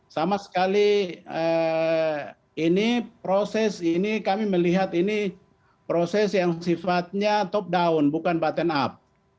sama sekali ini proses ini kami melihat ini proses yang sifatnya top down bukan button up